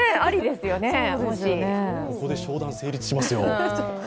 ここで商談成立しますよ。